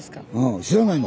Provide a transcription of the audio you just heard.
知らないの？